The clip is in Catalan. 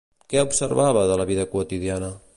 Què observava de la vida quotidiana?